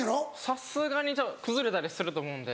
さすがに崩れたりすると思うんで。